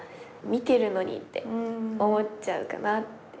見てるのにって思っちゃうかなって。